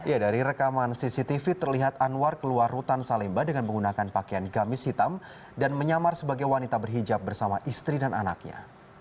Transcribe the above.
ya dari rekaman cctv terlihat anwar keluar rutan salemba dengan menggunakan pakaian gamis hitam dan menyamar sebagai wanita berhijab bersama istri dan anaknya